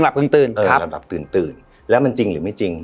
หลับหลับตื่นตื่นครับหลับหลับตื่นตื่นแล้วมันจริงหรือไม่จริงครับ